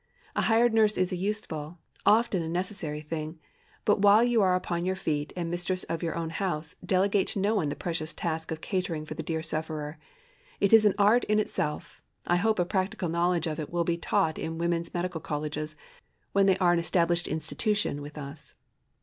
A hired nurse is a useful, often a necessary thing, but while you are upon your feet, and mistress of your own house, delegate to no one the precious task of catering for the dear sufferer. It is an art in itself. I hope a practical knowledge of it will be taught in Women's Medical Colleges, when they are an established "institution" with us.